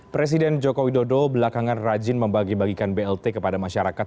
presiden joko widodo belakangan rajin membagi bagikan blt kepada masyarakat